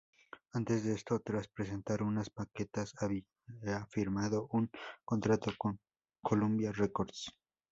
Antes de esto, tras presentar unas maquetas, había firmado un contrato con Columbia Records.